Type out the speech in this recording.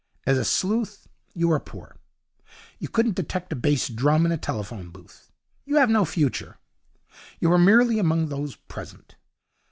As a sleuth you are poor. You couldn't detect a bass drum in a telephone booth. You have no future. You are merely among those present.